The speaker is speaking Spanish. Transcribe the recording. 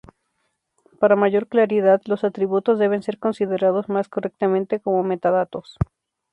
Para mayor claridad, los atributos deben ser considerados más correctamente como metadatos.